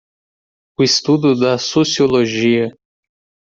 O estudo da sociologia.